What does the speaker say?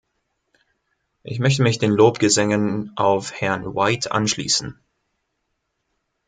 Ich möchte mich den Lobgesängen auf Herrn White anschließen.